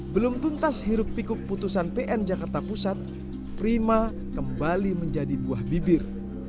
belum tuntas hiruk pikuk putusan pn jakarta pusat prima kembali menjadi buah bibir